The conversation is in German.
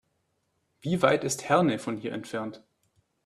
Wie weit ist Herne von hier entfernt?